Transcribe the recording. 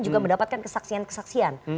juga mendapatkan kesaksian kesaksian